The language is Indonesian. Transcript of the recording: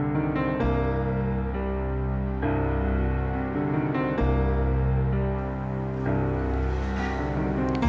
tapi kenapa amira bilang ayahnya sudah meninggal